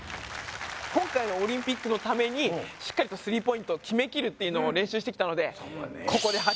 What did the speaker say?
今回のオリンピックのためにしっかりと３ポイントを決めきるっていうのを練習してきたのでさあ